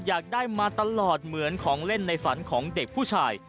อยากได้มาตลอดเหมือนของเล่นในฝันของเด็กผู้ชาย